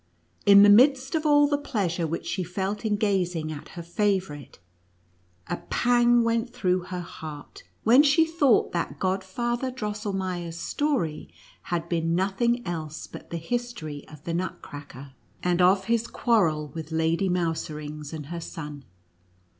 In the midst of all the pleasure which she felt in gazing at her favorite, a pang went through her heart, when she thought that 90 NUTCRACKER AND MOUSE KING. Godfather Drosselmeier's story had been nothing else but the history of the Nutcracker, and of his quarrel with Lady Mouserings and her son.